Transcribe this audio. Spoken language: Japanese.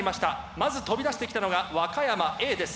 まず飛び出してきたのが和歌山Ａです。